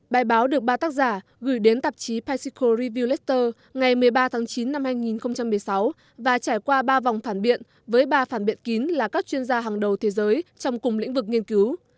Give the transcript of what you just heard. bài báo được ba tác giả gửi đến tạp chí pacicle reviewlexter ngày một mươi ba tháng chín năm hai nghìn một mươi sáu và trải qua ba vòng phản biện với ba phản biện kín là các chuyên gia hàng đầu thế giới trong cùng lĩnh vực nghiên cứu